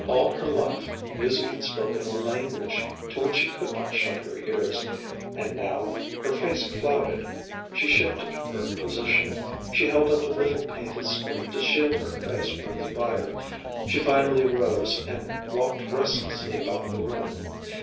All her life music had spoken a language to which she could not shut her ears, and now her face clouded, she shifted her position, she held up a little painted screen to shield her face from the fire, she finally rose and walked restlessly about the room.